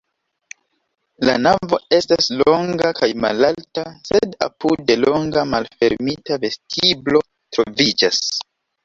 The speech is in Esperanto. La navo estas longa kaj malalta, sed apude longa malfermita vestiblo troviĝas.